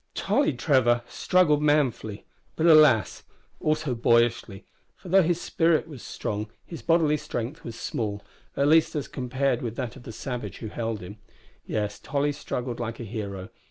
Tolly Trevor struggled manfully, but alas! also boyishly, for though his spirit was strong his bodily strength was small at least, as compared with that of the savage who held him. Yes, Tolly struggled like a hero.